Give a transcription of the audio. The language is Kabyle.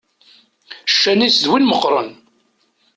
Ccan-is d win meqqren.